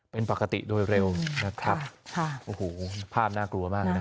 เป็นปกติโดยเร็วนะครับภาพน่ากลัวมากนะ